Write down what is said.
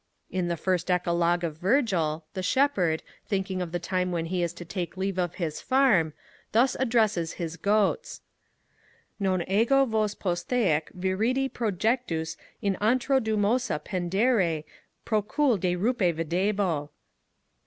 In the first Eclogue of Virgil, the shepherd, thinking of the time when he is to take leave of his farm, thus addresses his goats: Non ego vos posthac viridi projectus in antro Dumosa pendere procul de rupe videbo.